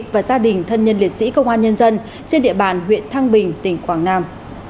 và gia đình thân nhân liệt sĩ công an nhân dân trên địa bàn huyện thăng bình tỉnh quảng nam